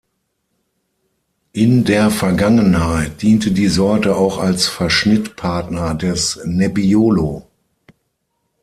In der Vergangenheit diente die Sorte auch als Verschnittpartner des Nebbiolo.